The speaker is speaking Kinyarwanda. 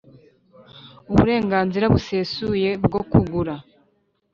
Uburenganzira busesuye bwo kugura